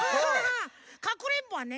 「かくれんぼ」はね